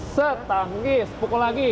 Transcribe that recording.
setangkis pukul lagi